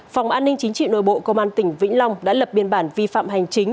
phòng an ninh chính trị nội bộ công an tỉnh vĩnh long đã lập biên bản vi phạm hành chính